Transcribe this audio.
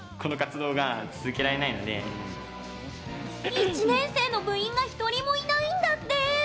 １年生の部員が１人もいないんだって！